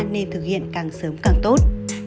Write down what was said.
nên thực hiện càng sớm càng tốt